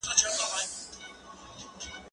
زه مخکي درسونه لوستي وو؟!